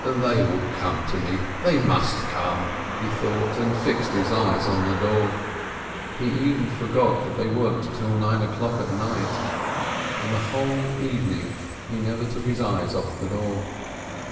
"They will come to me — they must come !" he thought, and fixed his eyes on the door. He even forgot that they worked till nine o'clock at night, and the whole evening he never took his eyes off the door.